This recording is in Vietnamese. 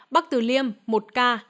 bắc tử liêm một ca